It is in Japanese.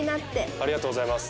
ありがとうございます。